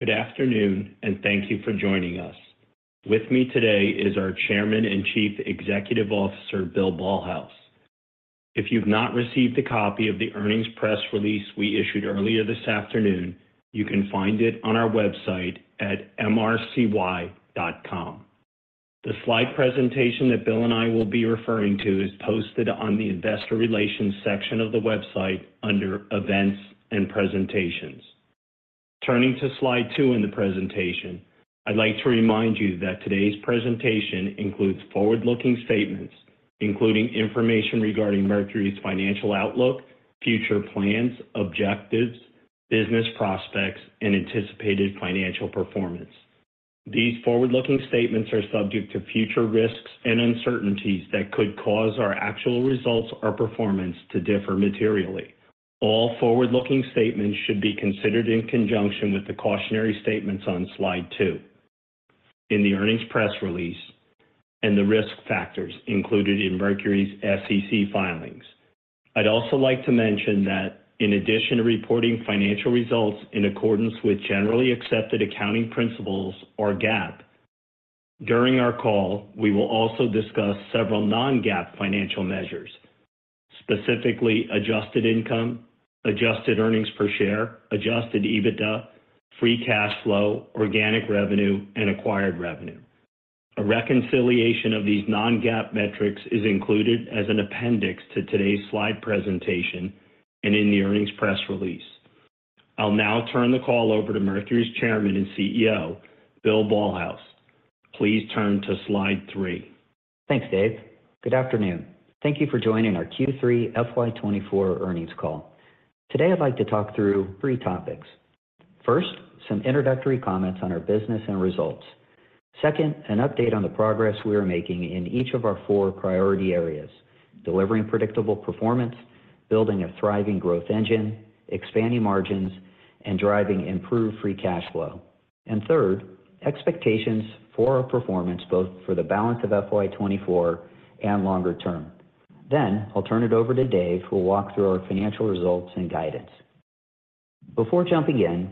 Good afternoon, and thank you for joining us. With me today is our Chairman and Chief Executive Officer Bill Ballhaus. If you've not received a copy of the earnings press release we issued earlier this afternoon, you can find it on our website at mrcy.com. The slide presentation that Bill and I will be referring to is posted on the Investor Relations section of the website under Events and Presentations. Turning to slide 2 in the presentation, I'd like to remind you that today's presentation includes forward-looking statements, including information regarding Mercury's financial outlook, future plans, objectives, business prospects, and anticipated financial performance. These forward-looking statements are subject to future risks and uncertainties that could cause our actual results or performance to differ materially. All forward-looking statements should be considered in conjunction with the cautionary statements on slide 2 in the earnings press release and the risk factors included in Mercury's SEC filings. I'd also like to mention that in addition to reporting financial results in accordance with generally accepted accounting principles or GAAP, during our call we will also discuss several non-GAAP financial measures, specifically adjusted income, adjusted earnings per share, Adjusted EBITDA, free cash flow, organic revenue, and acquired revenue. A reconciliation of these non-GAAP metrics is included as an appendix to today's slide presentation and in the earnings press release. I'll now turn the call over to Mercury's Chairman and CEO, Bill Ballhaus. Please turn to slide 3. Thanks, Dave. Good afternoon. Thank you for joining our Q3 FY 2024 earnings call. Today I'd like to talk through three topics. First, some introductory comments on our business and results. Second, an update on the progress we are making in each of our four priority areas: delivering predictable performance, building a thriving growth engine, expanding margins, and driving improved free cash flow. And third, expectations for our performance both for the balance of FY 2024 and longer term. Then I'll turn it over to Dave, who will walk through our financial results and guidance. Before jumping in,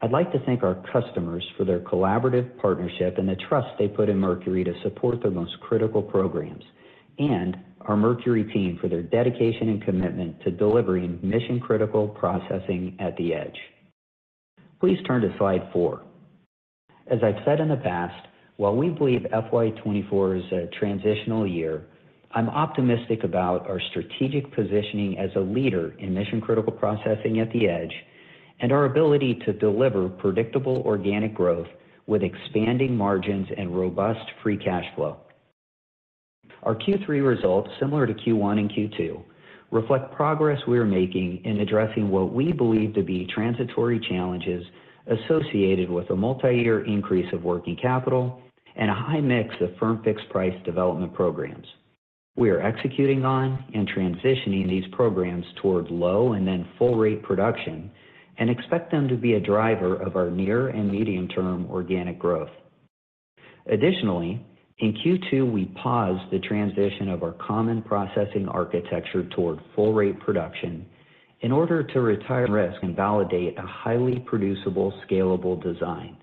I'd like to thank our customers for their collaborative partnership and the trust they put in Mercury to support their most critical programs, and our Mercury team for their dedication and commitment to delivering mission-critical processing at the edge. Please turn to slide 4. As I've said in the past, while we believe FY 2024 is a transitional year, I'm optimistic about our strategic positioning as a leader in mission-critical processing at the edge and our ability to deliver predictable organic growth with expanding margins and robust free cash flow. Our Q3 results, similar to Q1 and Q2, reflect progress we are making in addressing what we believe to be transitory challenges associated with a multi-year increase of working capital and a high mix of firm-fixed price development programs. We are executing on and transitioning these programs toward low and then full-rate production and expect them to be a driver of our near and medium-term organic growth. Additionally, in Q2 we paused the transition of our Common Processing Architecture toward full-rate production in order to retire risk and validate a highly producible, scalable design.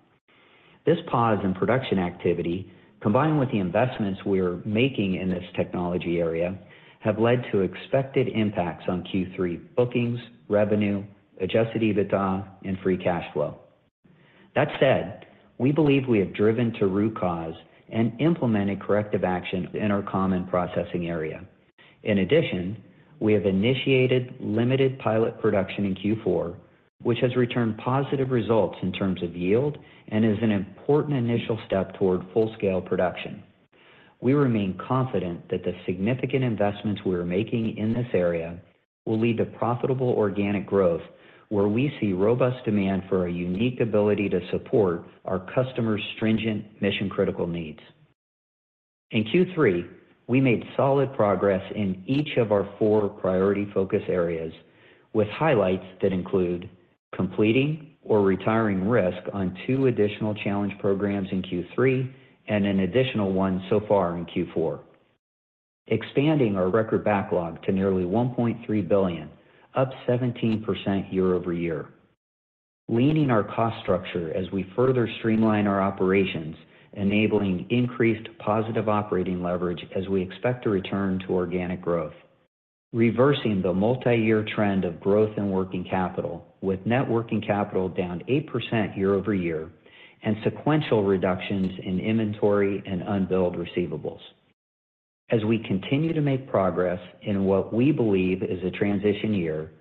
This pause in production activity, combined with the investments we are making in this technology area, have led to expected impacts on Q3 bookings, revenue, Adjusted EBITDA, and free cash flow. That said, we believe we have driven to root cause and implemented corrective action in our common processing area. In addition, we have initiated limited pilot production in Q4, which has returned positive results in terms of yield and is an important initial step toward full-scale production. We remain confident that the significant investments we are making in this area will lead to profitable organic growth where we see robust demand for our unique ability to support our customers' stringent mission-critical needs. In Q3, we made solid progress in each of our four priority focus areas, with highlights that include completing or retiring risk on two additional challenged programs in Q3 and an additional one so far in Q4, expanding our record backlog to nearly $1.3 billion, up 17% year-over-year, leaning our cost structure as we further streamline our operations, enabling increased positive operating leverage as we expect to return to organic growth, reversing the multi-year trend of growth in working capital with net working capital down 8% year-over-year, and sequential reductions in inventory and unbilled receivables. As we continue to make progress in what we believe is a transition year,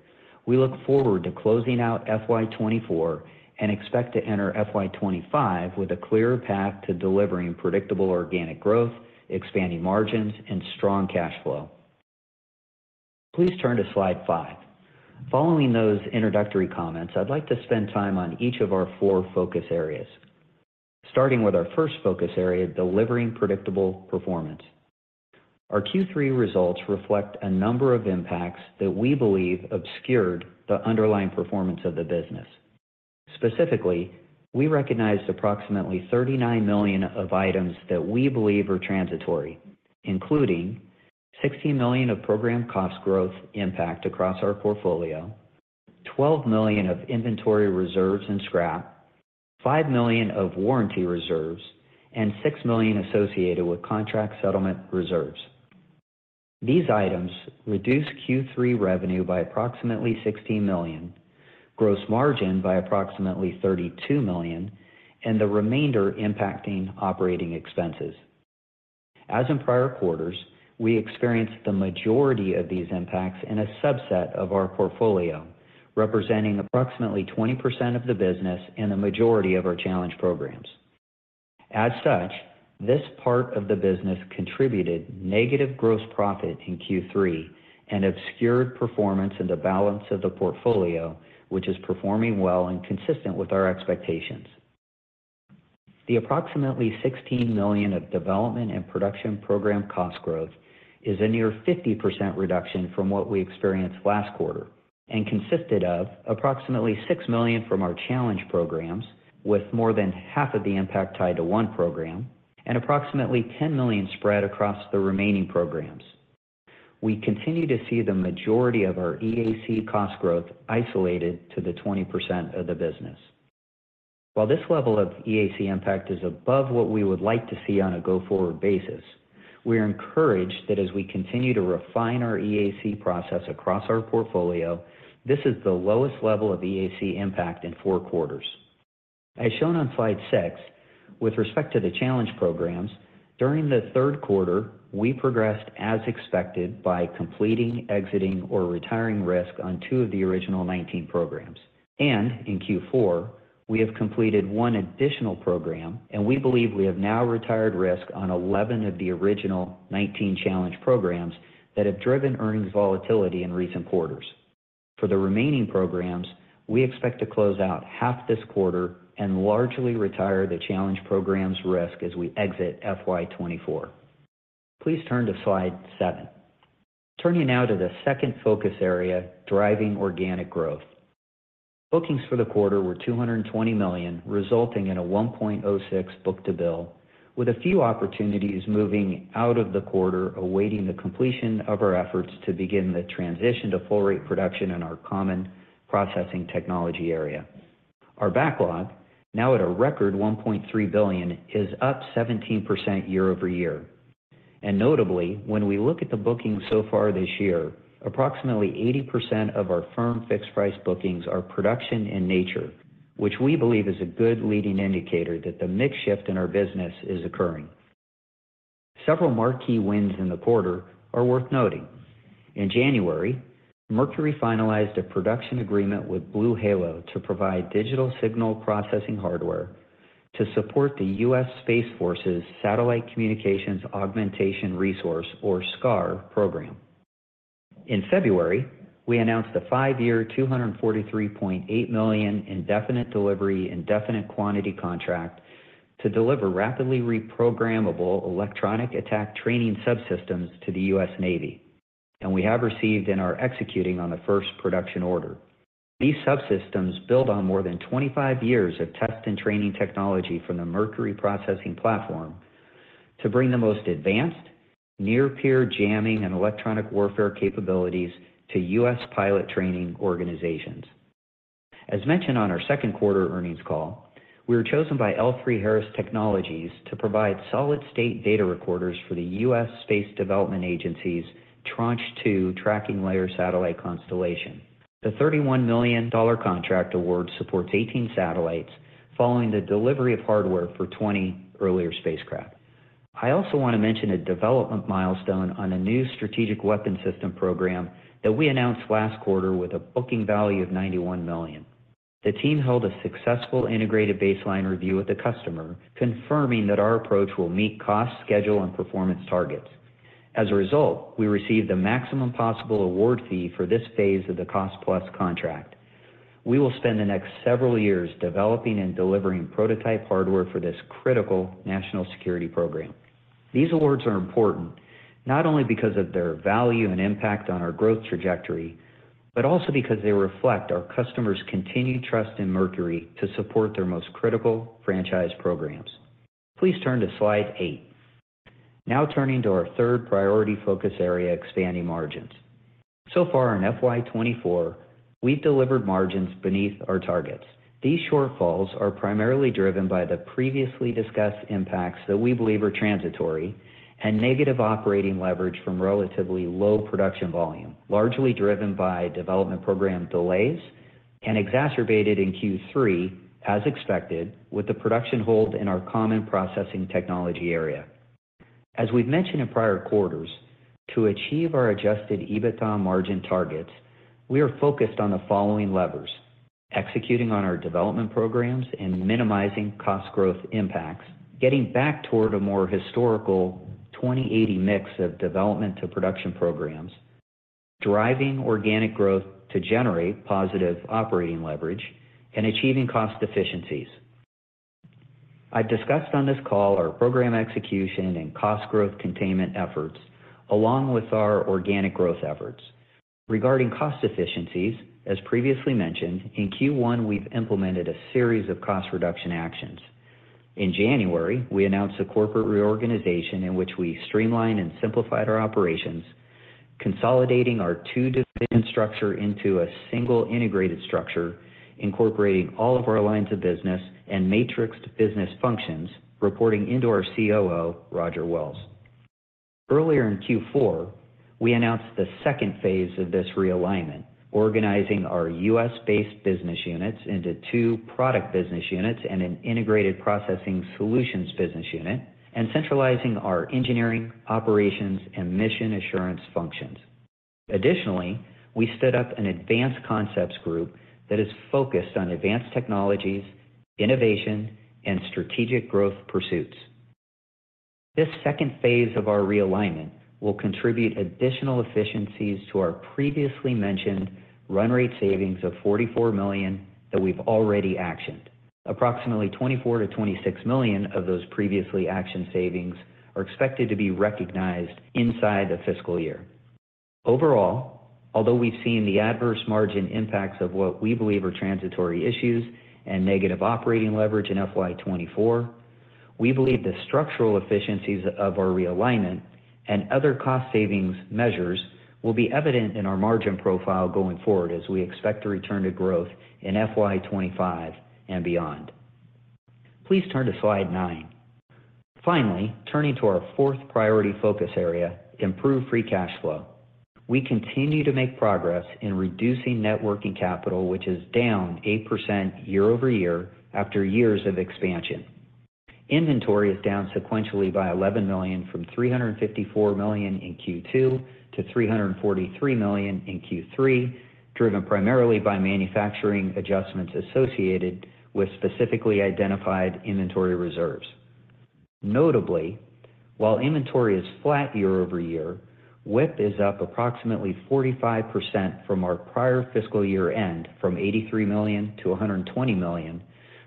we look forward to closing out FY 2024 and expect to enter FY 2025 with a clearer path to delivering predictable organic growth, expanding margins, and strong cash flow. Please turn to slide 5. Following those introductory comments, I'd like to spend time on each of our four focus areas, starting with our first focus area, delivering predictable performance. Our Q3 results reflect a number of impacts that we believe obscured the underlying performance of the business. Specifically, we recognized approximately $39 million of items that we believe are transitory, including $16 million of program cost growth impact across our portfolio, $12 million of inventory reserves and scrap, $5 million of warranty reserves, and $6 million associated with contract settlement reserves. These items reduce Q3 revenue by approximately $16 million, gross margin by approximately $32 million, and the remainder impacting operating expenses. As in prior quarters, we experienced the majority of these impacts in a subset of our portfolio, representing approximately 20% of the business and the majority of our challenge programs. As such, this part of the business contributed negative gross profit in Q3 and obscured performance in the balance of the portfolio, which is performing well and consistent with our expectations. The approximately $16 million of development and production program cost growth is a near 50% reduction from what we experienced last quarter and consisted of approximately $6 million from our challenge programs, with more than half of the impact tied to one program and approximately $10 million spread across the remaining programs. We continue to see the majority of our EAC cost growth isolated to the 20% of the business. While this level of EAC impact is above what we would like to see on a go-forward basis, we are encouraged that as we continue to refine our EAC process across our portfolio, this is the lowest level of EAC impact in four quarters. As shown on slide 6, with respect to the challenge programs, during the third quarter, we progressed as expected by completing, exiting, or retiring risk on two of the original 19 programs. In Q4, we have completed one additional program, and we believe we have now retired risk on 11 of the original 19 challenge programs that have driven earnings volatility in recent quarters. For the remaining programs, we expect to close out half this quarter and largely retire the challenge programs risk as we exit FY 2024. Please turn to slide 7. Turning now to the second focus area, driving organic growth. Bookings for the quarter were $220 million, resulting in a 1.06 Book-to-Bill, with a few opportunities moving out of the quarter awaiting the completion of our efforts to begin the transition to full-rate production in our common processing technology area. Our backlog, now at a record $1.3 billion, is up 17% year-over-year. Notably, when we look at the bookings so far this year, approximately 80% of our firm-fixed price bookings are production in nature, which we believe is a good leading indicator that the mix shift in our business is occurring. Several marquee wins in the quarter are worth noting. In January, Mercury finalized a production agreement with BlueHalo to provide digital signal processing hardware to support the US Space Force's Satellite Communications Augmentation Resource, or SCAR, program. In February, we announced a five-year $243.8 million Indefinite Delivery Indefinite Quantity contract to deliver rapidly reprogrammable electronic attack training subsystems to the US Navy, and we have received and are executing on the first production order. These subsystems build on more than 25 years of test and training technology from the Mercury processing platform to bring the most advanced near-peer jamming and electronic warfare capabilities to U.S. pilot training organizations. As mentioned on our second quarter earnings call, we were chosen by L3Harris Technologies to provide solid-state data recorders for the US Space Development Agency's Tranche 2 Tracking Layer satellite constellation. The $31 million contract award supports 18 satellites following the delivery of hardware for 20 earlier spacecraft. I also want to mention a development milestone on a new strategic weapon system program that we announced last quarter with a booking value of $91 million. The team held a successful integrated baseline review with the customer, confirming that our approach will meet cost, schedule, and performance targets. As a result, we received the maximum possible award fee for this phase of the cost-plus contract. We will spend the next several years developing and delivering prototype hardware for this critical national security program. These awards are important not only because of their value and impact on our growth trajectory, but also because they reflect our customers' continued trust in Mercury to support their most critical franchise programs. Please turn to slide 8. Now turning to our third priority focus area, expanding margins. So far in FY 2024, we've delivered margins beneath our targets. These shortfalls are primarily driven by the previously discussed impacts that we believe are transitory and negative operating leverage from relatively low production volume, largely driven by development program delays and exacerbated in Q3, as expected, with the production hold in our common processing technology area. As we've mentioned in prior quarters, to achieve our Adjusted EBITDA margin targets, we are focused on the following levers: executing on our development programs and minimizing cost growth impacts, getting back toward a more historical 80/20 mix of development to production programs, driving organic growth to generate positive operating leverage, and achieving cost efficiencies. I've discussed on this call our program execution and cost growth containment efforts along with our organic growth efforts. Regarding cost efficiencies, as previously mentioned, in Q1 we've implemented a series of cost reduction actions. In January, we announced a corporate reorganization in which we streamlined and simplified our operations, consolidating our two-division structure into a single integrated structure, incorporating all of our lines of business and matrixed business functions, reporting into our COO, Roger Wells. Earlier in Q4, we announced the second phase of this realignment, organizing our U.S.-based business units into two product business units and an Integrated Processing Solutions business unit, and centralizing our engineering, operations, and mission assurance functions. Additionally, we stood up an Advanced Concepts Group that is focused on advanced technologies, innovation, and strategic growth pursuits. This second phase of our realignment will contribute additional efficiencies to our previously mentioned run-rate savings of $44 million that we've already actioned. Approximately $24 million-$26 million of those previously actioned savings are expected to be recognized inside the fiscal year. Overall, although we've seen the adverse margin impacts of what we believe are transitory issues and negative operating leverage in FY 2024, we believe the structural efficiencies of our realignment and other cost savings measures will be evident in our margin profile going forward as we expect to return to growth in FY 2025 and beyond. Please turn to slide 9. Finally, turning to our fourth priority focus area, improve free cash flow. We continue to make progress in reducing net working capital, which is down 8% year-over-year after years of expansion. Inventory is down sequentially by $11 million from $354 million in Q2 to $343 million in Q3, driven primarily by manufacturing adjustments associated with specifically identified inventory reserves. Notably, while inventory is flat year-over-year, WIP is up approximately 45% from our prior fiscal year end from $83 million to $120 million,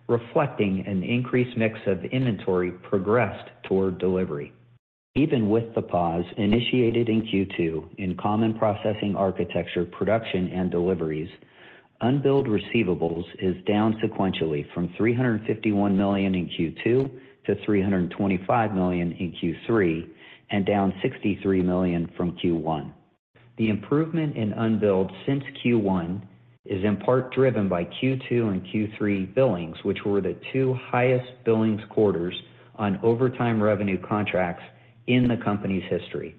reflecting an increased mix of inventory progressed toward delivery. Even with the pause initiated in Q2 in Common Processing Architecture production and deliveries, unbilled receivables is down sequentially from $351 million in Q2 to $325 million in Q3 and down $63 million from Q1. The improvement in unbilled since Q1 is in part driven by Q2 and Q3 billings, which were the two highest billings quarters on over time revenue contracts in the company's history.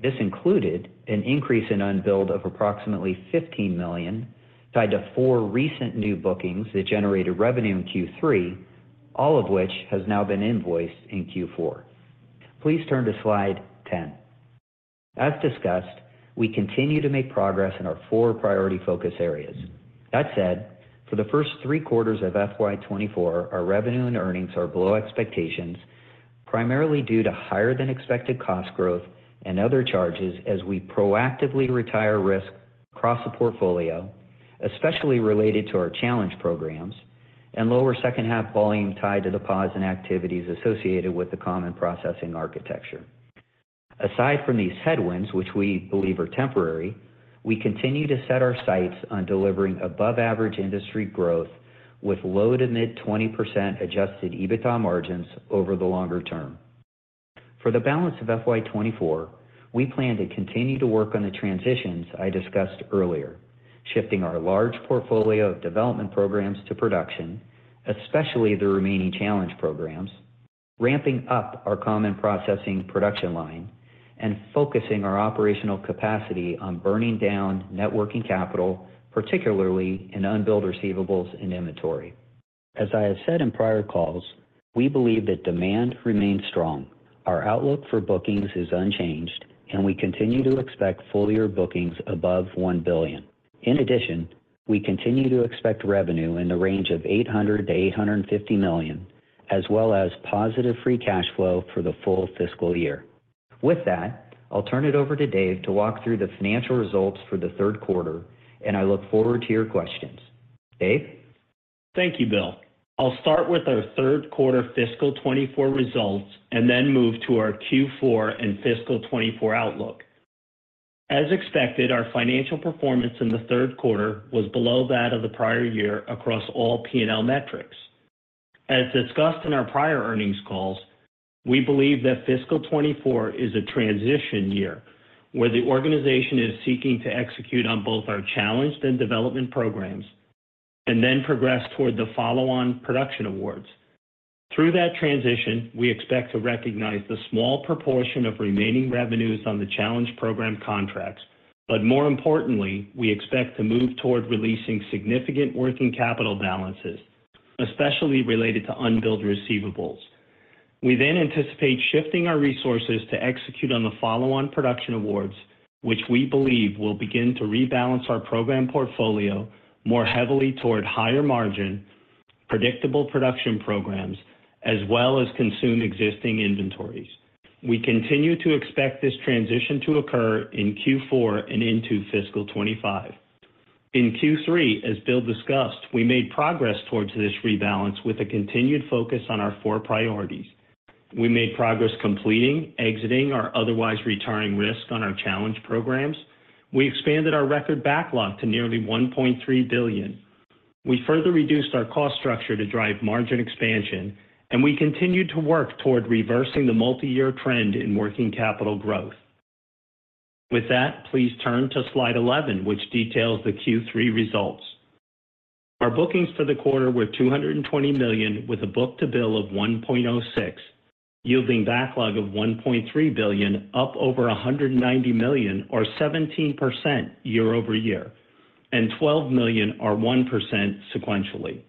This included an increase in unbilled of approximately $15 million tied to four recent new bookings that generated revenue in Q3, all of which has now been invoiced in Q4. Please turn to slide 10. As discussed, we continue to make progress in our four priority focus areas. That said, for the first three quarters of FY 2024, our revenue and earnings are below expectations, primarily due to higher-than-expected cost growth and other charges as we proactively retire risk across the portfolio, especially related to our challenge programs, and lower second-half volume tied to the pause in activities associated with the Common Processing Architecture. Aside from these headwinds, which we believe are temporary, we continue to set our sights on delivering above-average industry growth with low to mid-20% Adjusted EBITDA margins over the longer term. For the balance of FY 2024, we plan to continue to work on the transitions I discussed earlier, shifting our large portfolio of development programs to production, especially the remaining challenge programs, ramping up our common processing production line, and focusing our operational capacity on burning down net working capital, particularly in unbilled receivables and inventory. As I have said in prior calls, we believe that demand remains strong, our outlook for bookings is unchanged, and we continue to expect fuller bookings above $1 billion. In addition, we continue to expect revenue in the range of $800 million-$850 million, as well as positive free cash flow for the full fiscal year. With that, I'll turn it over to Dave to walk through the financial results for the third quarter, and I look forward to your questions. Dave? Thank you, Bill. I'll start with our third quarter fiscal 2024 results and then move to our Q4 and fiscal 2024 outlook. As expected, our financial performance in the third quarter was below that of the prior year across all P&L metrics. As discussed in our prior earnings calls, we believe that fiscal 2024 is a transition year where the organization is seeking to execute on both our challenged and development programs and then progress toward the follow-on production awards. Through that transition, we expect to recognize the small proportion of remaining revenues on the challenge program contracts, but more importantly, we expect to move toward releasing significant working capital balances, especially related to unbilled receivables. We then anticipate shifting our resources to execute on the follow-on production awards, which we believe will begin to rebalance our program portfolio more heavily toward higher margin, predictable production programs, as well as consumed existing inventories. We continue to expect this transition to occur in Q4 and into fiscal 2025. In Q3, as Bill discussed, we made progress towards this rebalance with a continued focus on our four priorities. We made progress completing, exiting, or otherwise retiring risk on our challenge programs. We expanded our record backlog to nearly $1.3 billion. We further reduced our cost structure to drive margin expansion, and we continued to work toward reversing the multi-year trend in working capital growth. With that, please turn to slide 11, which details the Q3 results. Our bookings for the quarter were $220 million with a book-to-bill of 1.06, yielding backlog of $1.3 billion, up over $190 million, or 17% year-over-year, and $12 million, or 1%, sequentially.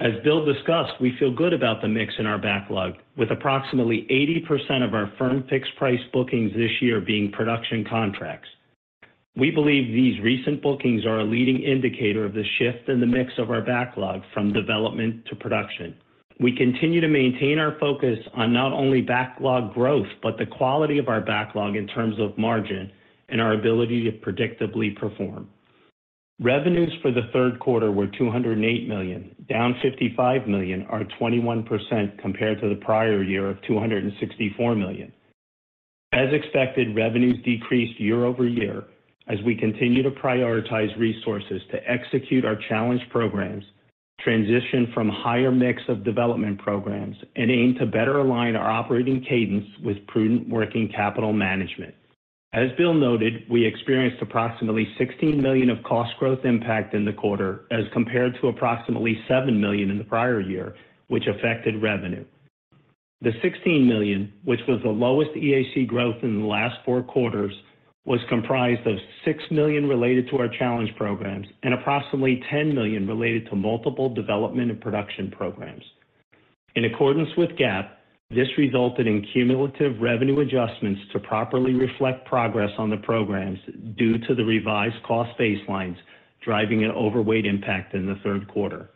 As Bill discussed, we feel good about the mix in our backlog, with approximately 80% of our firm-fixed price bookings this year being production contracts. We believe these recent bookings are a leading indicator of the shift in the mix of our backlog from development to production. We continue to maintain our focus on not only backlog growth but the quality of our backlog in terms of margin and our ability to predictably perform. Revenues for the third quarter were $208 million, down $55 million, or 21% compared to the prior year of $264 million. As expected, revenues decreased year-over-year as we continue to prioritize resources to execute our challenge programs, transition from higher mix of development programs, and aim to better align our operating cadence with prudent working capital management. As Bill noted, we experienced approximately $16 million of cost growth impact in the quarter as compared to approximately $7 million in the prior year, which affected revenue. The $16 million, which was the lowest EAC growth in the last four quarters, was comprised of $6 million related to our challenge programs and approximately $10 million related to multiple development and production programs. In accordance with GAAP, this resulted in cumulative revenue adjustments to properly reflect progress on the programs due to the revised cost baselines, driving an overweight impact in the third quarter.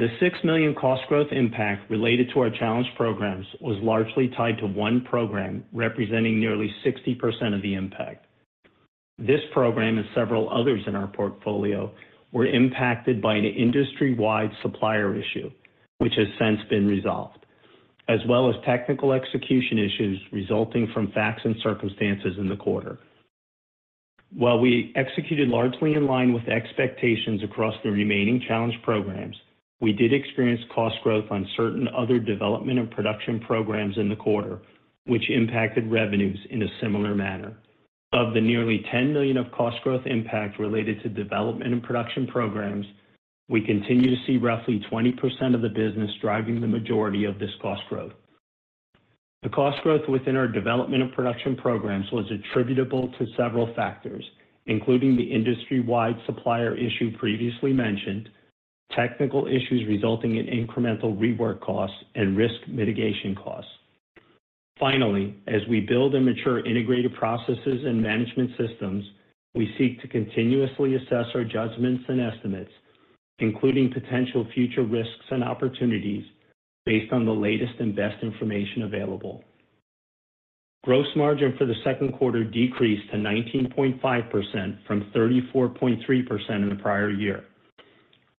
The $6 million cost growth impact related to our challenge programs was largely tied to one program representing nearly 60% of the impact. This program and several others in our portfolio were impacted by an industry-wide supplier issue, which has since been resolved, as well as technical execution issues resulting from facts and circumstances in the quarter. While we executed largely in line with expectations across the remaining challenge programs, we did experience cost growth on certain other development and production programs in the quarter, which impacted revenues in a similar manner. Of the nearly $10 million of cost growth impact related to development and production programs, we continue to see roughly 20% of the business driving the majority of this cost growth. The cost growth within our development and production programs was attributable to several factors, including the industry-wide supplier issue previously mentioned, technical issues resulting in incremental rework costs, and risk mitigation costs. Finally, as we build and mature integrated processes and management systems, we seek to continuously assess our judgments and estimates, including potential future risks and opportunities, based on the latest and best information available. Gross margin for the second quarter decreased to 19.5% from 34.3% in the prior year.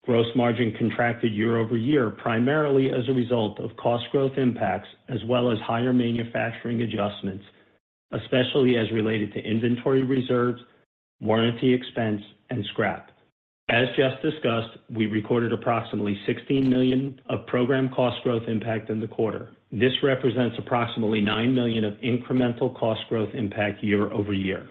Gross margin contracted year-over-year primarily as a result of cost growth impacts as well as higher manufacturing adjustments, especially as related to inventory reserves, warranty expense, and scrap. As just discussed, we recorded approximately $16 million of program cost growth impact in the quarter. This represents approximately $9 million of incremental cost growth impact year-over-year.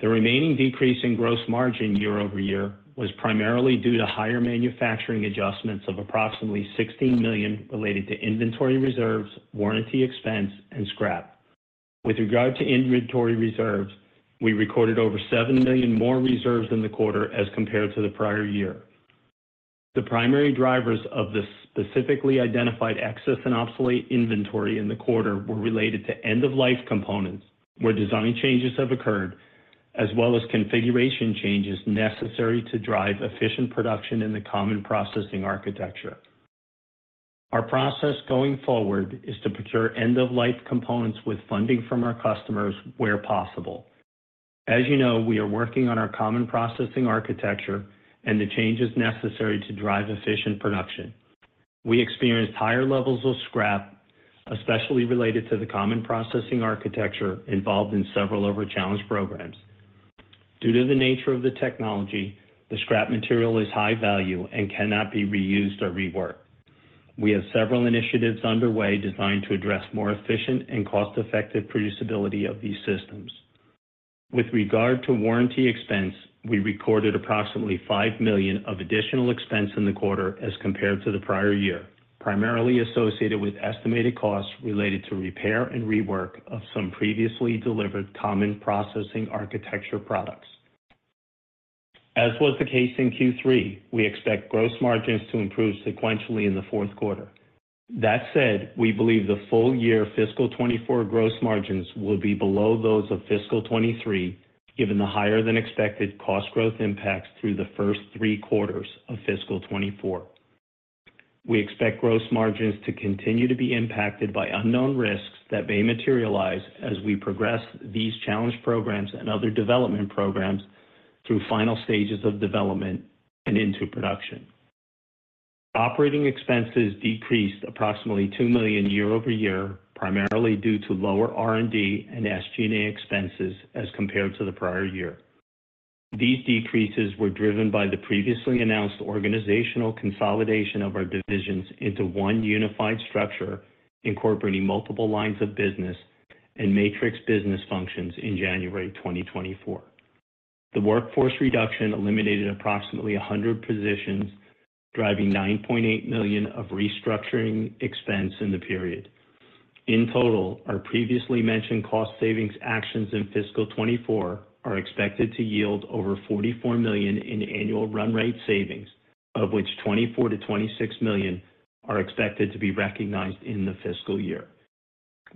The remaining decrease in gross margin year-over-year was primarily due to higher manufacturing adjustments of approximately $16 million related to inventory reserves, warranty expense, and scrap. With regard to inventory reserves, we recorded over $7 million more reserves in the quarter as compared to the prior year. The primary drivers of the specifically identified excess and obsolete inventory in the quarter were related to end-of-life components where design changes have occurred, as well as configuration changes necessary to drive efficient production in the Common Processing Architecture. Our process going forward is to procure end-of-life components with funding from our customers where possible. As you know, we are working on our Common Processing Architecture and the changes necessary to drive efficient production. We experienced higher levels of scrap, especially related to the Common Processing Architecture involved in several of our challenge programs. Due to the nature of the technology, the scrap material is high value and cannot be reused or reworked. We have several initiatives underway designed to address more efficient and cost-effective producibility of these systems. With regard to warranty expense, we recorded approximately $5 million of additional expense in the quarter as compared to the prior year, primarily associated with estimated costs related to repair and rework of some previously delivered Common Processing Architecture products. As was the case in Q3, we expect gross margins to improve sequentially in the fourth quarter. That said, we believe the full-year fiscal 2024 gross margins will be below those of fiscal 2023 given the higher-than-expected cost growth impacts through the first three quarters of fiscal 2024. We expect gross margins to continue to be impacted by unknown risks that may materialize as we progress these challenge programs and other development programs through final stages of development and into production. Operating expenses decreased approximately $2 million year-over-year, primarily due to lower R&D and SG&A expenses as compared to the prior year. These decreases were driven by the previously announced organizational consolidation of our divisions into one unified structure incorporating multiple lines of business and matrix business functions in January 2024. The workforce reduction eliminated approximately 100 positions, driving $9.8 million of restructuring expense in the period. In total, our previously mentioned cost savings actions in fiscal 2024 are expected to yield over $44 million in annual run rate savings, of which $24 million-$26 million are expected to be recognized in the fiscal year.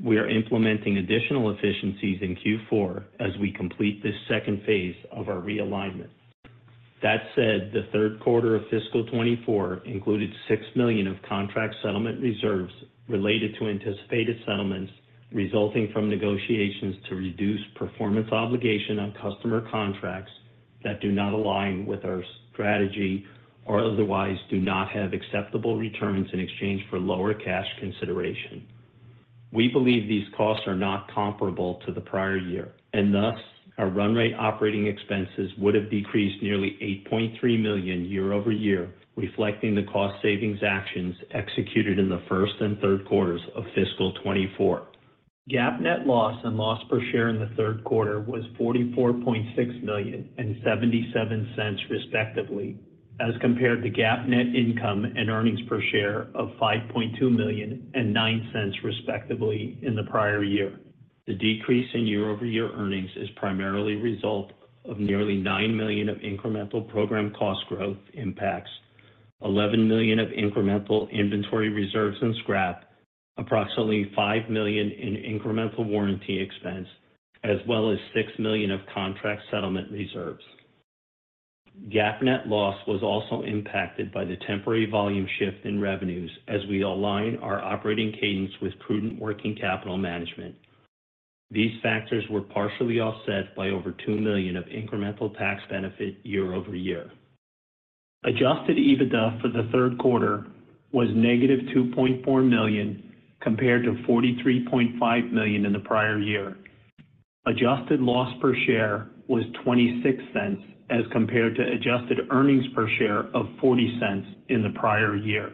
We are implementing additional efficiencies in Q4 as we complete this second phase of our realignment. That said, the third quarter of fiscal 2024 included $6 million of contract settlement reserves related to anticipated settlements resulting from negotiations to reduce performance obligation on customer contracts that do not align with our strategy or otherwise do not have acceptable returns in exchange for lower cash consideration. We believe these costs are not comparable to the prior year, and thus our run rate operating expenses would have decreased nearly $8.3 million year-over-year, reflecting the cost savings actions executed in the first and third quarters of fiscal 2024. GAAP net loss and loss per share in the third quarter was $44.6 million and $0.77, respectively, as compared to GAAP net income and earnings per share of $5.2 million and $0.09, respectively, in the prior year. The decrease in year-over-year earnings is primarily a result of nearly $9 million of incremental program cost growth impacts, $11 million of incremental inventory reserves and scrap, approximately $5 million in incremental warranty expense, as well as $6 million of contract settlement reserves. GAAP net loss was also impacted by the temporary volume shift in revenues as we align our operating cadence with prudent working capital management. These factors were partially offset by over $2 million of incremental tax benefit year-over-year. Adjusted EBITDA for the third quarter was negative $2.4 million compared to $43.5 million in the prior year. Adjusted loss per share was $0.26 as compared to adjusted earnings per share of $0.40 in the prior year.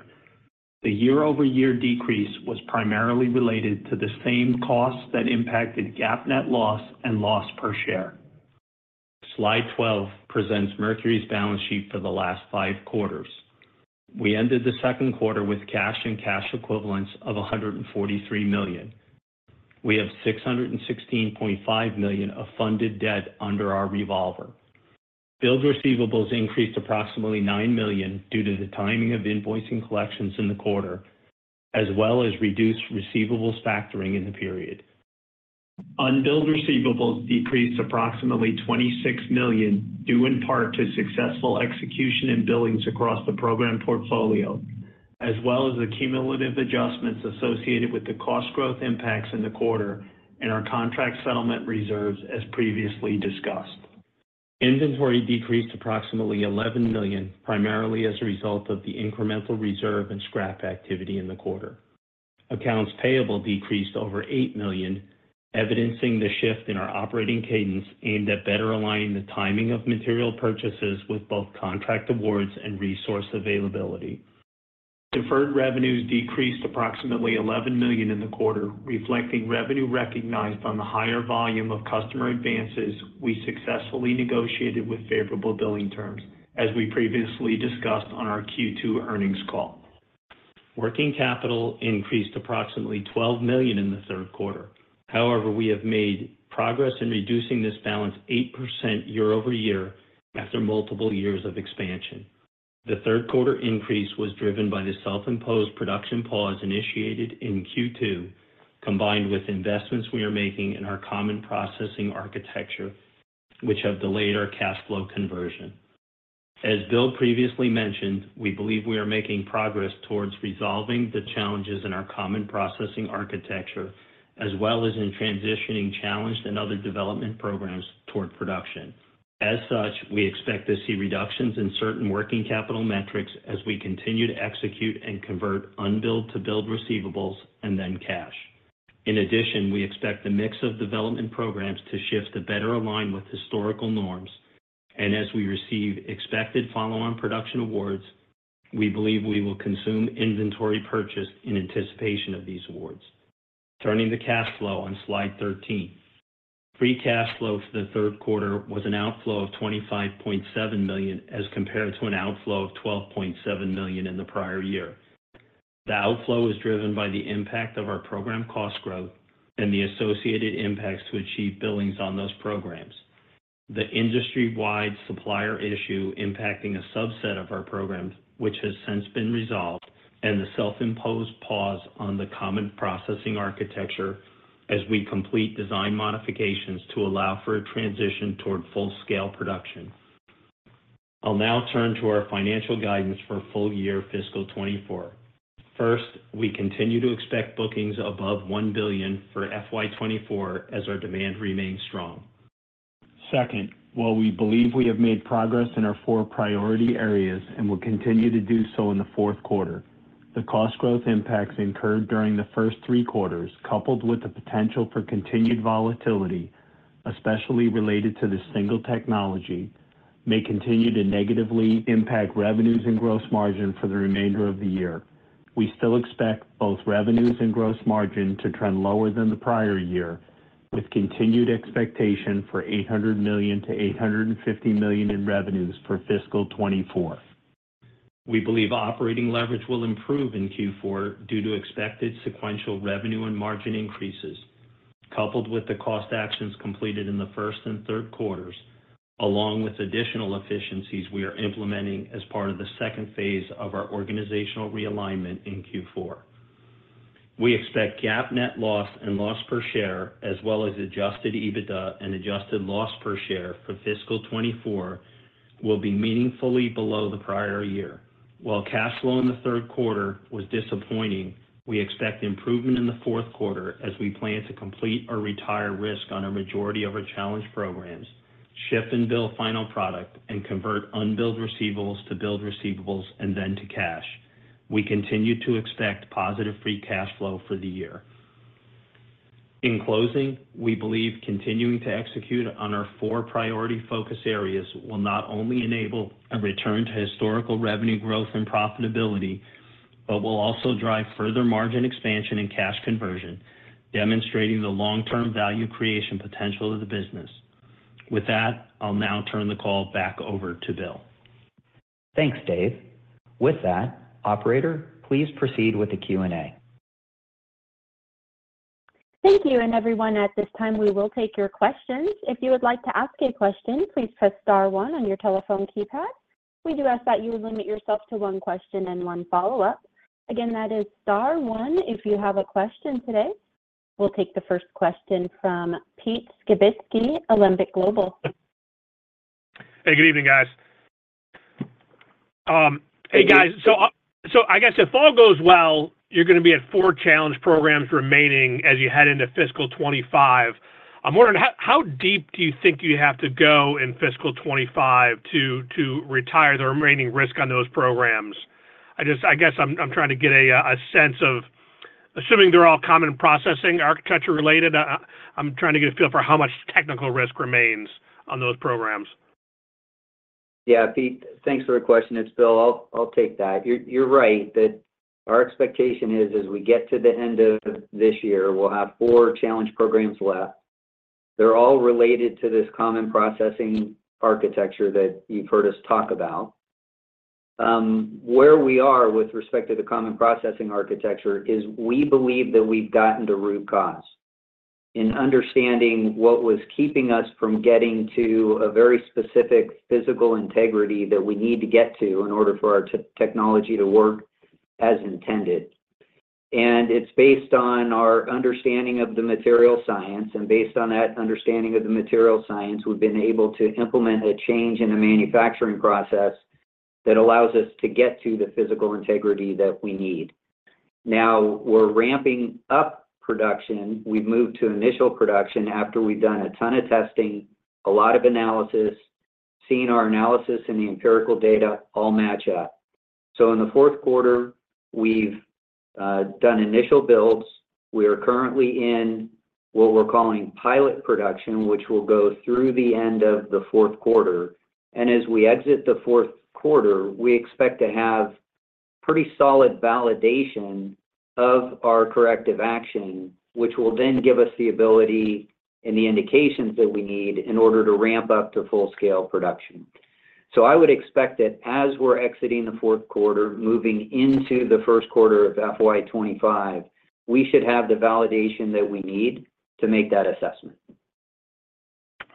The year-over-year decrease was primarily related to the same costs that impacted GAAP net loss and loss per share. Slide 12 presents Mercury's balance sheet for the last five quarters. We ended the second quarter with cash and cash equivalents of $143 million. We have $616.5 million of funded debt under our revolver. Billed receivables increased approximately $9 million due to the timing of invoicing collections in the quarter, as well as reduced receivables factoring in the period. Unbilled receivables decreased approximately $26 million due in part to successful execution and billings across the program portfolio, as well as the cumulative adjustments associated with the cost growth impacts in the quarter and our contract settlement reserves, as previously discussed. Inventory decreased approximately $11 million, primarily as a result of the incremental reserve and scrap activity in the quarter. Accounts payable decreased over $8 million, evidencing the shift in our operating cadence aimed at better aligning the timing of material purchases with both contract awards and resource availability. Deferred revenues decreased approximately $11 million in the quarter, reflecting revenue recognized on the higher volume of customer advances we successfully negotiated with favorable billing terms, as we previously discussed on our Q2 earnings call. Working capital increased approximately $12 million in the third quarter. However, we have made progress in reducing this balance 8% year-over-year after multiple years of expansion. The third quarter increase was driven by the self-imposed production pause initiated in Q2, combined with investments we are making in our Common Processing Architecture, which have delayed our cash flow conversion. As Bill previously mentioned, we believe we are making progress towards resolving the challenges in our Common Processing Architecture, as well as in transitioning challenged and other development programs toward production. As such, we expect to see reductions in certain working capital metrics as we continue to execute and convert unbilled to billed receivables and then cash. In addition, we expect the mix of development programs to shift to better align with historical norms, and as we receive expected follow-on production awards, we believe we will consume inventory purchased in anticipation of these awards. Turning to cash flow on Slide 13, free cash flow for the third quarter was an outflow of $25.7 million as compared to an outflow of $12.7 million in the prior year. The outflow is driven by the impact of our program cost growth and the associated impacts to achieve billings on those programs, the industry-wide supplier issue impacting a subset of our programs, which has since been resolved, and the self-imposed pause on the Common Processing Architecture as we complete design modifications to allow for a transition toward full-scale production. I'll now turn to our financial guidance for full-year fiscal 2024. First, we continue to expect bookings above $1 billion for FY 2024 as our demand remains strong. Second, while we believe we have made progress in our four priority areas and will continue to do so in the fourth quarter, the cost growth impacts incurred during the first three quarters, coupled with the potential for continued volatility, especially related to the single technology, may continue to negatively impact revenues and gross margin for the remainder of the year. We still expect both revenues and gross margin to trend lower than the prior year, with continued expectation for $800 million-$850 million in revenues for fiscal 2024. We believe operating leverage will improve in Q4 due to expected sequential revenue and margin increases, coupled with the cost actions completed in the first and third quarters, along with additional efficiencies we are implementing as part of the second phase of our organizational realignment in Q4. We expect GAAP net loss and loss per share, as well as Adjusted EBITDA and adjusted loss per share for fiscal 2024, will be meaningfully below the prior year. While cash flow in the third quarter was disappointing, we expect improvement in the fourth quarter as we plan to complete or retire risk on a majority of our challenge programs, shift and bill final product, and convert unbilled receivables to billed receivables and then to cash. We continue to expect positive free cash flow for the year. In closing, we believe continuing to execute on our four priority focus areas will not only enable a return to historical revenue growth and profitability, but will also drive further margin expansion and cash conversion, demonstrating the long-term value creation potential of the business. With that, I'll now turn the call back over to Bill. Thanks, Dave. With that, operator, please proceed with the Q&A. Thank you. Everyone, at this time, we will take your questions. If you would like to ask a question, please press star one on your telephone keypad. We do ask that you limit yourself to one question and one follow-up. Again, that is star one if you have a question today. We'll take the first question from Pete Skibitski, Wolfe Research. Hey, good evening, guys. Hey, guys. So I guess if all goes well, you're going to be at four challenge programs remaining as you head into fiscal 2025. I'm wondering, how deep do you think you have to go in fiscal 2025 to retire the remaining risk on those programs? I guess I'm trying to get a sense of assuming they're all Common Processing Architecture related. I'm trying to get a feel for how much technical risk remains on those programs. Yeah, Pete, thanks for the question. It's Bill. I'll take that. You're right that our expectation is as we get to the end of this year, we'll have 4 challenge programs left. They're all related to this Common Processing Architecture that you've heard us talk about. Where we are with respect to the Common Processing Architecture is we believe that we've gotten to root cause in understanding what was keeping us from getting to a very specific physical integrity that we need to get to in order for our technology to work as intended. It's based on our understanding of the material science. Based on that understanding of the material science, we've been able to implement a change in the manufacturing process that allows us to get to the physical integrity that we need. Now, we're ramping up production. We've moved to initial production after we've done a ton of testing, a lot of analysis, seeing our analysis and the empirical data all match up. So in the fourth quarter, we've done initial builds. We are currently in what we're calling pilot production, which will go through the end of the fourth quarter. And as we exit the fourth quarter, we expect to have pretty solid validation of our corrective action, which will then give us the ability and the indications that we need in order to ramp up to full-scale production. So I would expect that as we're exiting the fourth quarter, moving into the first quarter of FY 2025, we should have the validation that we need to make that assessment.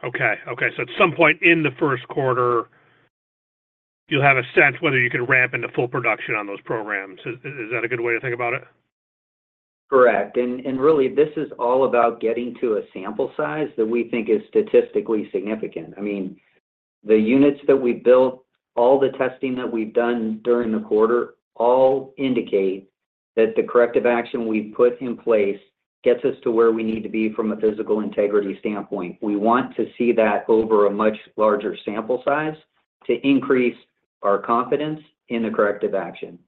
Okay. Okay. So at some point in the first quarter, you'll have a sense whether you could ramp into full production on those programs. Is that a good way to think about it? Correct. And really, this is all about getting to a sample size that we think is statistically significant. I mean, the units that we've built, all the testing that we've done during the quarter, all indicate that the corrective action we've put in place gets us to where we need to be from a physical integrity standpoint. We want to see that over a much larger sample size to increase our confidence in the corrective action.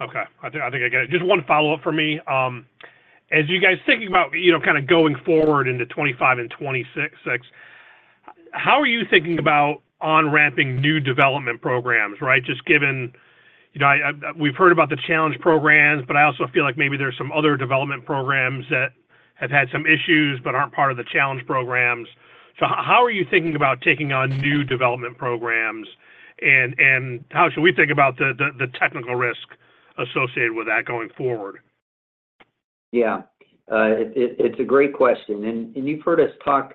Okay. I think I get it. Just one follow-up for me. As you guys thinking about kind of going forward into 2025 and 2026, how are you thinking about on-ramping new development programs, right? Just given we've heard about the challenge programs, but I also feel like maybe there's some other development programs that have had some issues but aren't part of the challenge programs. So how are you thinking about taking on new development programs, and how should we think about the technical risk associated with that going forward? Yeah. It's a great question. And you've heard us talk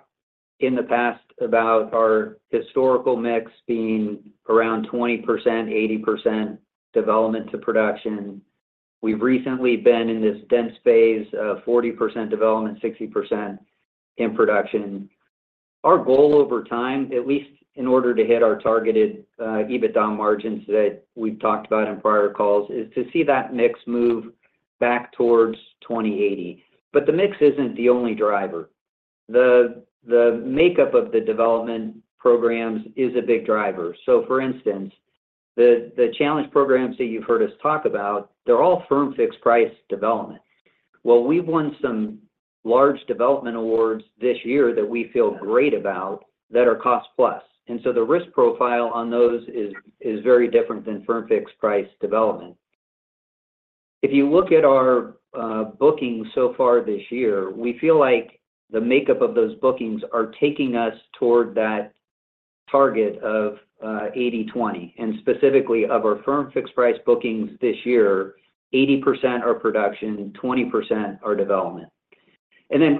in the past about our historical mix being around 20%, 80% development to production. We've recently been in this dense phase of 40% development, 60% in production. Our goal over time, at least in order to hit our targeted EBITDA margins that we've talked about in prior calls, is to see that mix move back towards 20/80. But the mix isn't the only driver. The makeup of the development programs is a big driver. So for instance, the challenge programs that you've heard us talk about, they're all firm-fixed price development. Well, we've won some large development awards this year that we feel great about that are cost-plus. And so the risk profile on those is very different than firm-fixed price development. If you look at our bookings so far this year, we feel like the makeup of those bookings are taking us toward that target of 80/20. Specifically, of our firm-fixed price bookings this year, 80% are production, 20% are development.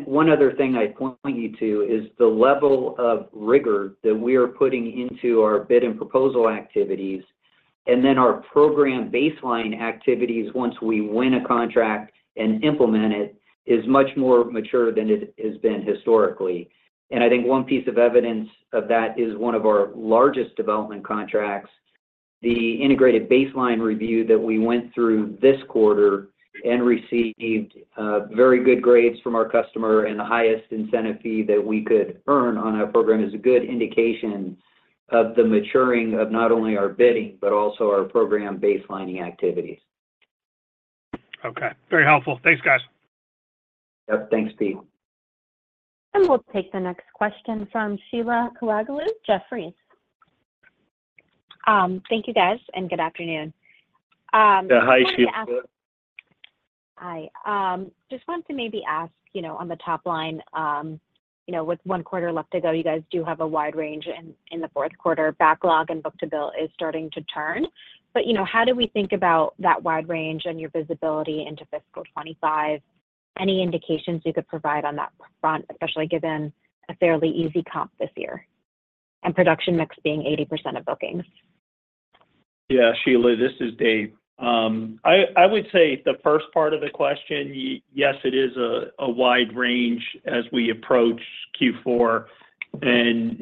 One other thing I'd point you to is the level of rigor that we are putting into our bid and proposal activities. Our program baseline activities once we win a contract and implement it is much more mature than it has been historically. I think one piece of evidence of that is one of our largest development contracts. The integrated baseline review that we went through this quarter and received very good grades from our customer and the highest incentive fee that we could earn on our program is a good indication of the maturing of not only our bidding but also our program baselining activities. Okay. Very helpful. Thanks, guys. Yep. Thanks, Pete. We'll take the next question from Sheila Kahyaoglu, Jefferies. Thank you, guys, and good afternoon. Yeah. Hi, Sheila. Hi. Just wanted to maybe ask on the top line, with one quarter left to go, you guys do have a wide range in the fourth quarter. Backlog and book-to-bill is starting to turn. But how do we think about that wide range and your visibility into fiscal 2025? Any indications you could provide on that front, especially given a fairly easy comp this year and production mix being 80% of bookings? Yeah, Sheila, this is Dave. I would say the first part of the question, yes, it is a wide range as we approach Q4. And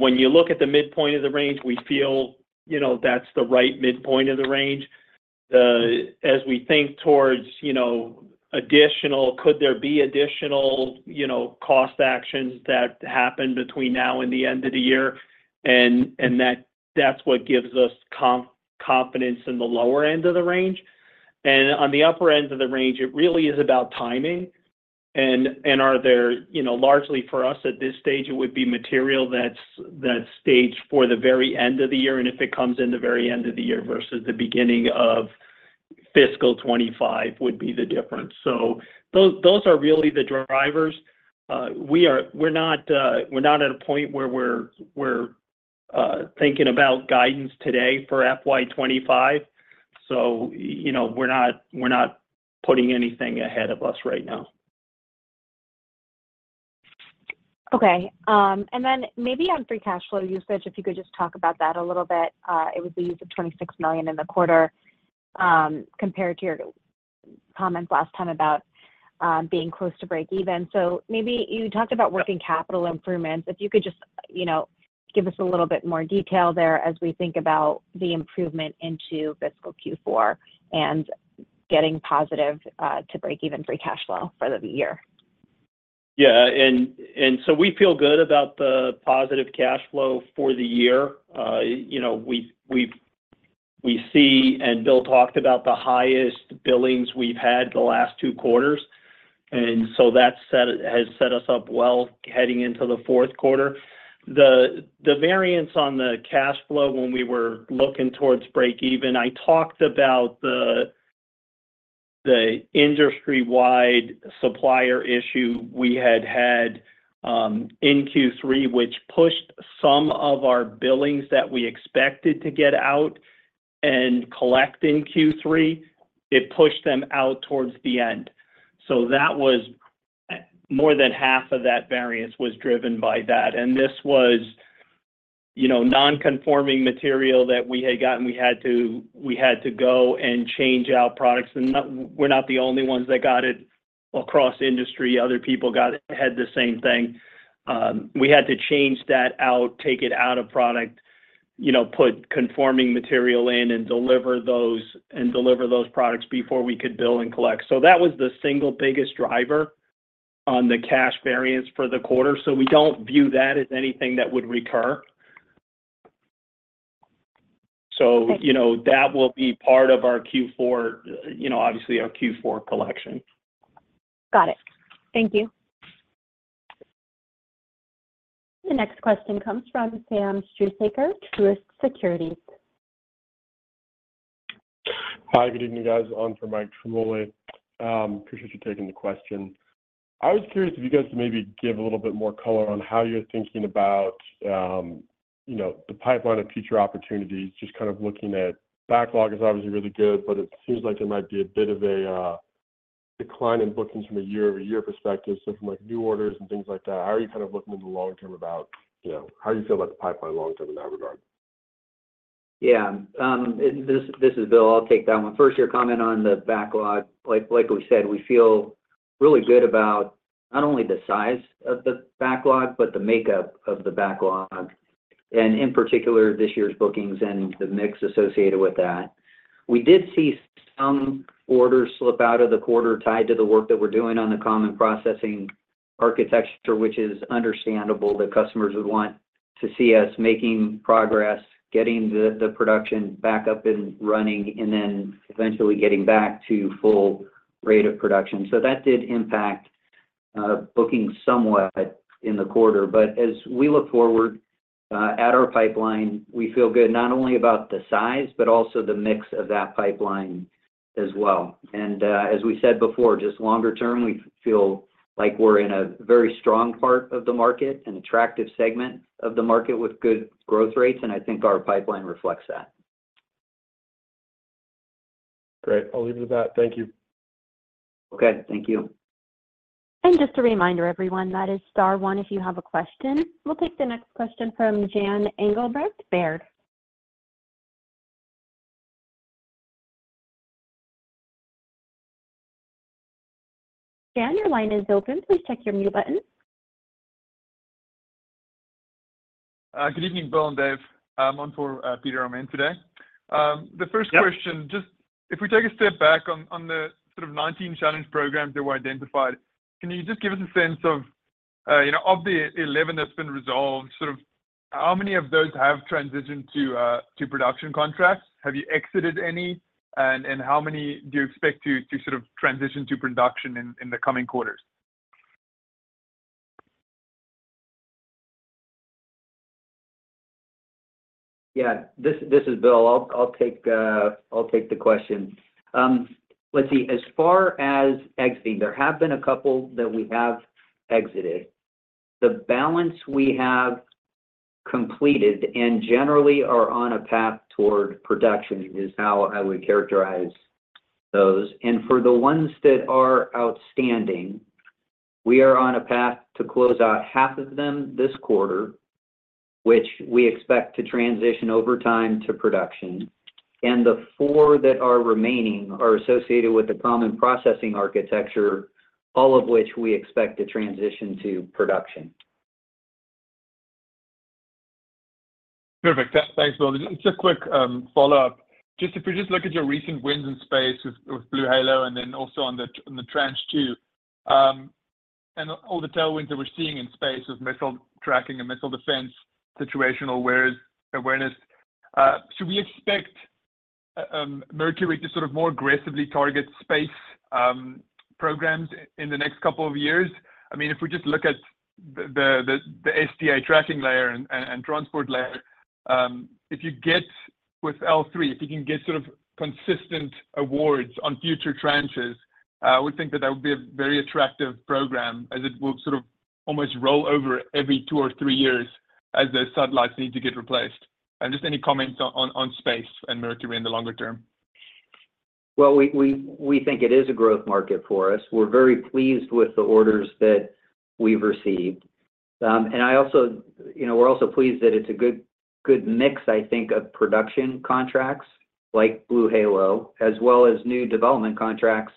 when you look at the midpoint of the range, we feel that's the right midpoint of the range. As we think towards additional, could there be additional cost actions that happen between now and the end of the year? And that's what gives us confidence in the lower end of the range. And on the upper end of the range, it really is about timing. And largely for us at this stage, it would be material that's staged for the very end of the year. And if it comes in the very end of the year versus the beginning of fiscal 2025 would be the difference. So those are really the drivers. We're not at a point where we're thinking about guidance today for FY 2025. We're not putting anything ahead of us right now. Okay. And then maybe on free cash flow usage, if you could just talk about that a little bit. It was the use of $26 million in the quarter compared to your comments last time about being close to break-even. So maybe you talked about working capital improvements. If you could just give us a little bit more detail there as we think about the improvement into fiscal Q4 and getting positive to break-even free cash flow for the year. Yeah. And so we feel good about the positive cash flow for the year. We see and Bill talked about the highest billings we've had the last two quarters. And so that has set us up well heading into the fourth quarter. The variance on the cash flow when we were looking towards break-even, I talked about the industry-wide supplier issue we had had in Q3, which pushed some of our billings that we expected to get out and collect in Q3. It pushed them out towards the end. So more than half of that variance was driven by that. And this was nonconforming material that we had gotten. We had to go and change out products. And we're not the only ones that got it across industry. Other people had the same thing. We had to change that out, take it out of product, put conforming material in, and deliver those products before we could bill and collect. So that was the single biggest driver on the cash variance for the quarter. So we don't view that as anything that would recur. So that will be part of our Q4, obviously, our Q4 collection. Got it. Thank you. The next question comes from Sam Struhsaker, Truist Securities. Hi. Good evening, guys. On for Mike Ciarmoli. Appreciate you taking the question. I was curious if you guys could maybe give a little bit more color on how you're thinking about the pipeline of future opportunities, just kind of looking at backlog is obviously really good, but it seems like there might be a bit of a decline in bookings from a year-over-year perspective. So from new orders and things like that, how are you kind of looking in the long term about how do you feel about the pipeline long term in that regard? Yeah. This is Bill. I'll take that one. First, your comment on the backlog. Like we said, we feel really good about not only the size of the backlog, but the makeup of the backlog, and in particular, this year's bookings and the mix associated with that. We did see some orders slip out of the quarter tied to the work that we're doing on the Common Processing Architecture, which is understandable. The customers would want to see us making progress, getting the production back up and running, and then eventually getting back to full rate of production. So that did impact bookings somewhat in the quarter. But as we look forward at our pipeline, we feel good not only about the size, but also the mix of that pipeline as well. As we said before, just longer term, we feel like we're in a very strong part of the market, an attractive segment of the market with good growth rates. I think our pipeline reflects that. Great. I'll leave it at that. Thank you. Okay. Thank you. Just a reminder, everyone, that is star one if you have a question. We'll take the next question from Jan Engelbrecht, Baird. Jan, your line is open. Please check your mute button. Good evening, Bill and Dave. I'm on for Peter Romain today. The first question, just if we take a step back on the sort of 19 challenge programs that were identified, can you just give us a sense of the 11 that's been resolved, sort of how many of those have transitioned to production contracts? Have you exited any? And how many do you expect to sort of transition to production in the coming quarters? Yeah. This is Bill. I'll take the question. Let's see. As far as exiting, there have been a couple that we have exited. The balance we have completed and generally are on a path toward production is how I would characterize those. And for the ones that are outstanding, we are on a path to close out half of them this quarter, which we expect to transition over time to production. And the four that are remaining are associated with the Common Processing Architecture, all of which we expect to transition to production. Perfect. Thanks, Bill. Just a quick follow-up. If we just look at your recent wins in space with BlueHalo and then also on the Tranche 2 and all the tailwinds that we're seeing in space with missile tracking and missile defense situational awareness, should we expect Mercury to sort of more aggressively target space programs in the next couple of years? I mean, if we just look at the SDA Tracking Layer and transport layer, if you get with L3, if you can get sort of consistent awards on future tranches, I would think that that would be a very attractive program as it will sort of almost roll over every two or three years as the satellites need to get replaced. And just any comments on space and Mercury in the longer term? Well, we think it is a growth market for us. We're very pleased with the orders that we've received. And we're also pleased that it's a good mix, I think, of production contracts like BlueHalo as well as new development contracts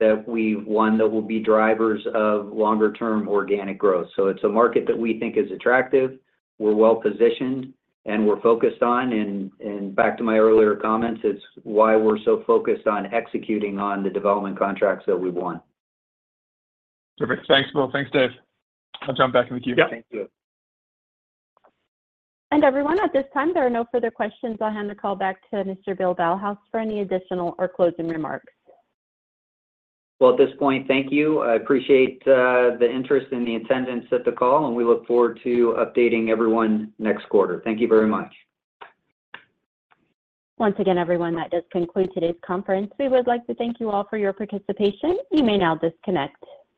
that we've won that will be drivers of longer-term organic growth. So it's a market that we think is attractive. We're well-positioned, and we're focused on. And back to my earlier comments, it's why we're so focused on executing on the development contracts that we've won. Perfect. Thanks, Bill. Thanks, Dave. I'll jump back in the queue. Thank you. Everyone, at this time, there are no further questions. I'll hand the call back to Mr. Bill Ballhaus for any additional or closing remarks. Well, at this point, thank you. I appreciate the interest and the attendance at the call, and we look forward to updating everyone next quarter. Thank you very much. Once again, everyone, that does conclude today's conference. We would like to thank you all for your participation. You may now disconnect.